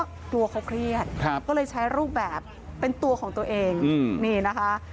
กลัวเขาเครียดก็เลยใช้รูปแบบเป็นตัวของตัวเองนี่นะคะ